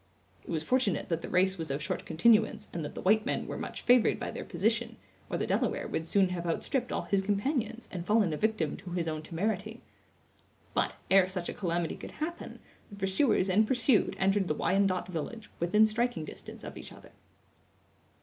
It was fortunate that the race was of short continuance, and that the white men were much favored by their position, or the Delaware would soon have outstripped all his companions, and fallen a victim to his own temerity. But, ere such a calamity could happen, the pursuers and pursued entered the Wyandot village, within striking distance of each other.